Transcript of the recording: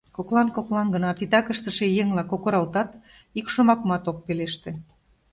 Коклан-коклан гына титак ыштыше еҥла кокыралтат, ик шомакымат ок пелеште.